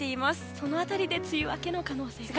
その辺りで梅雨明けの可能性が？